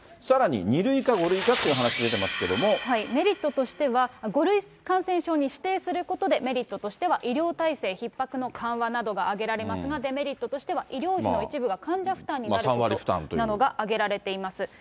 さらに、２類か５類かという話がメリットとしては、５類感染症に指定することでメリットとしては医療体制ひっ迫の緩和などが挙げられますが、デメリットとしては、医療費の一部が患者負担になるということなどが挙げられています。